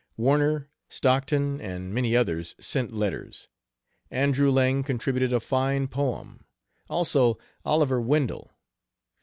Warner, Stockton and many others sent letters; Andrew Lang contributed a fine poem; also Oliver Wendell.